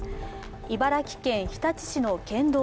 茨城県日立市の県道。